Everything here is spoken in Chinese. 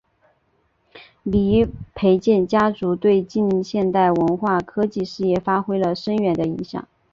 黎培銮家族对近现代文化科技事业发挥了深远的影响。